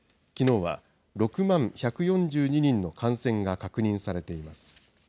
きのうは６万１４２人の感染が確認されています。